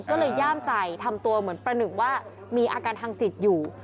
ก็เลยย่ามใจทำตัวเหมือนประหนึ่งว่ามีอาการทางจิตอยู่